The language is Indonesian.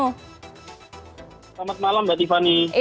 selamat malam mbak tiffany